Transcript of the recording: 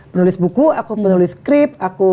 penulis buku aku penulis krip aku